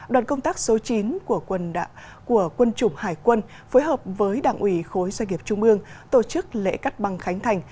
đoàn công tác số chín của quân chủng hải quân phối hợp với đảng ủy khối doanh nghiệp trung ương tổ chức lễ cắt băng khánh thành